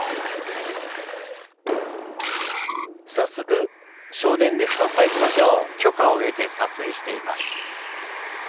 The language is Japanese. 早速正殿で参拝しましょう。